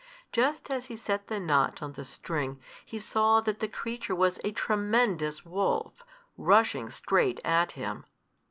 Just as he set the notch on the string, he saw that the creature was a tremendous wolf, rushing straight at him.